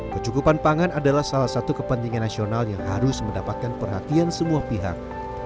kecukupan pangan adalah salah satu kepentingan nasional yang harus mendapatkan perhatian semua pihak